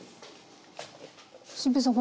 心平さん